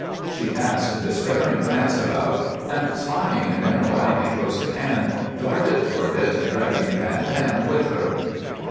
She cast a despairing glance about, and, spying a narrow alley close at hand, darted toward it, dragging Van Dam with her.